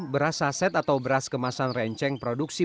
beras saset atau beras kemasan renceng produksi